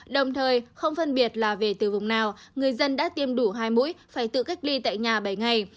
đồng thời không phân biệt là về từ vùng nào người dân đã tiêm đủ hai mũi phải tự cách ly tại nhà bảy ngày